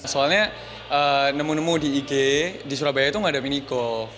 soalnya nemu nemu di ig di surabaya itu gak ada mini gol